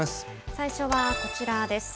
最初はこちらです。